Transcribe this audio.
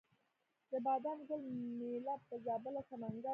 د بادام ګل میله په زابل او سمنګان کې وي.